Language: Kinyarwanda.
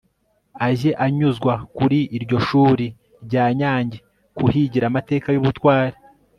ajye anyuzwa kuri iryo shuri rya nyange kuhigira amateka y'ubutwari